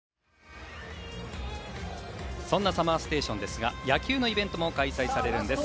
そんな「ＳＵＭＭＥＲＳＴＡＴＩＯＮ」ですが野球のイベントも開催されるんです。